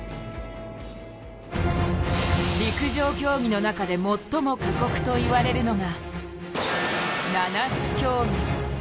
陸上競技の中で最も過酷といわれるのが七種競技。